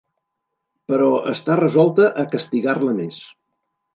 Però està resolta a castigar-la més.